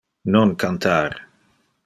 Non cantar.